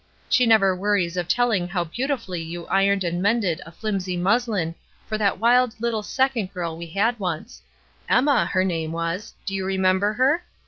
She never wearies of teUing how beau tifully you ironed and mended a flimsy musHn for that wild little second girl we had once, Emma, her name was. Do you remember her